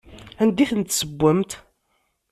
Anda i ten-tessewwemt?